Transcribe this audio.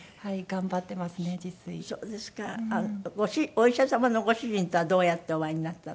お医者様のご主人とはどうやってお会いになったの？